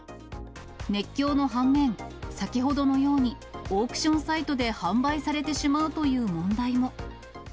熱狂の反面、先ほどのように、オークションサイトで販売されてしまうという問題も。